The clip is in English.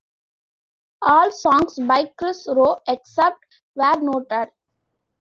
All songs by Kris Roe except where noted.